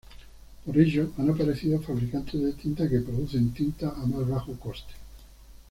Por ello han aparecido fabricantes de tinta que producen tinta a más bajo coste.